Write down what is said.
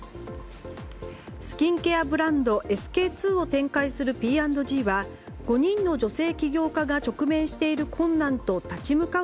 スキンケアブランドＳＫ‐２を展開するＰ＆Ｇは５人の女性起業家が直面している困難と立ち向かう